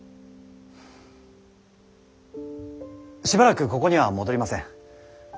しばらくここには戻りません。